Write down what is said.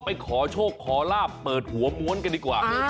ไปขอโชคขอลาบเปิดหัวม้วนกันดีกว่า